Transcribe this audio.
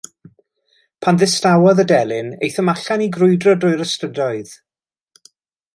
Pan ddistawodd y delyn, aethom allan i grwydro drwy'r ystrydoedd.